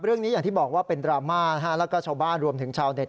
เรื่องนี้อย่างที่บอกเป็นดราม่าแล้วเจ้าบ้านรวมถึงชาวเน็ต